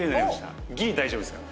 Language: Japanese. ギリ大丈夫ですか？